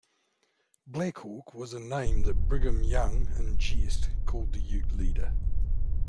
"Black Hawk" was a name that Brigham Young, in jest, called the Ute leader.